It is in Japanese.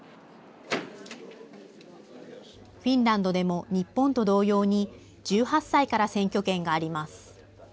フィンランドでも日本と同様に１８歳から選挙権があります。